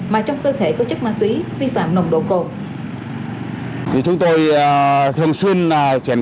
mà trong cơ thể có chất ma túy vi phạm nồng độ cồn